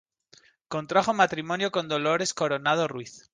Contrajo matrimonio con Dolores Coronado Ruiz.